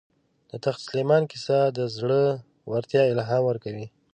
د تخت سلیمان کیسه د زړه ورتیا الهام ورکوي.